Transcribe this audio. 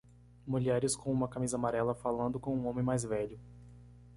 Mulheres com uma camisa amarela falando com um homem mais velho.